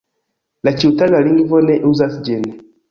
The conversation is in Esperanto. La ĉiutaga lingvo ne uzas ĝin.